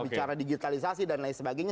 bicara digitalisasi dan lain sebagainya